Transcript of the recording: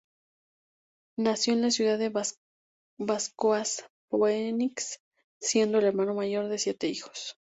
Nació en la ciudad de Vacoas-Phoenix, siendo el hermano mayor de siete hijos.